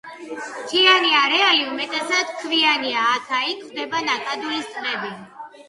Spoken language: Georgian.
მთიანი არეალი უმეტესად ქვიანია, აქა-იქ გვხვდება ნაკადულის ტბები.